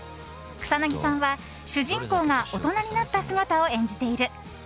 草なぎさんは主人公が大人になった姿を演じている。